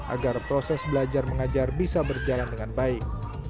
agar proses belajar mengajar bisa berjalan dengan baik